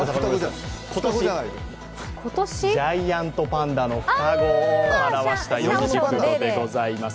今年、ジャイアントパンダの双子を表した四字熟語でございます。